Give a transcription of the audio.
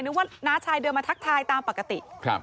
ว่าน้าชายเดินมาทักทายตามปกติ